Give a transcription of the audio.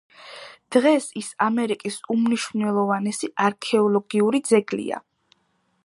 დღეს ის ამერიკის უმნიშვნელოვანესი არქეოლოგიური ძეგლია.